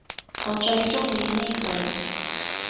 我最鍾意呢句